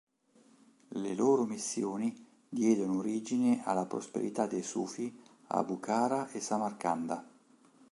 Le loro missioni diedero origine alla prosperità dei sufi a Bukhara e Samarcanda.